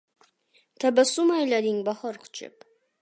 Tabassum aylading bahor quchib!